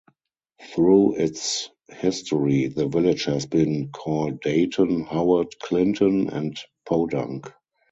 Through its history, the village has been called Dayton, Howard, Clinton, and Podunk.